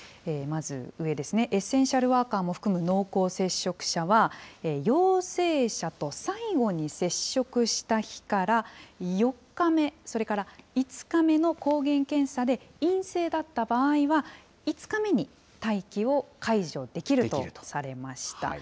まず上ですね、エッセンシャルワーカーも含む濃厚接触者は、陽性者と最後に接触した日から４日目、それから５日目の抗原検査で陰性だった場合は、５日目に待機を解除できるとされました。